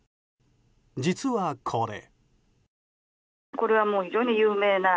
実はこれ。